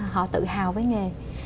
họ tự hào với nghề